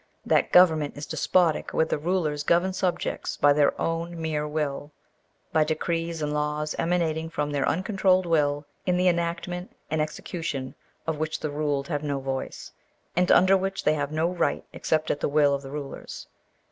That government is despotic where the rulers govern subjects by their own mere will by decrees and laws emanating from their uncontrolled will, in the enactment and execution of which the ruled have no voice, and under which they have no right except at the will of the rulers.